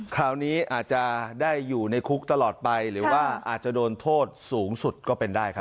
คราวนี้อาจจะได้อยู่ในคุกตลอดไปหรือว่าอาจจะโดนโทษสูงสุดก็เป็นได้ครับ